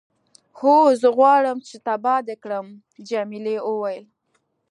هو، زه غواړم چې تباه دې کړم. جميلې وويل:.